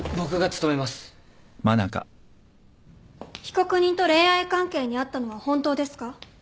被告人と恋愛関係にあったのは本当ですか？